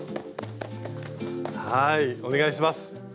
はいお願いします。